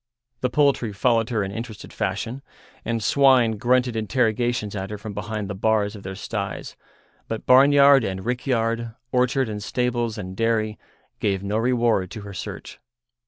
The poultry followed her in interested fashion, and swine grunted interrogations at her from behind the bars of their styes, but barnyard and rickyard, orchard and stables and dairy, gave no reward to her search.